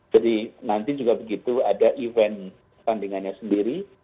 jadi nanti juga begitu ada event tandingannya sendiri